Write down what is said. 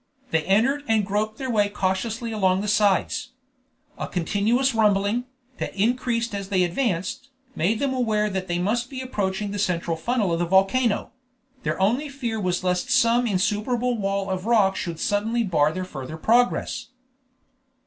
They entered and groped their way cautiously along the sides. A continuous rumbling, that increased as they advanced, made them aware that they must be approaching the central funnel of the volcano; their only fear was lest some insuperable wall of rock should suddenly bar their further progress.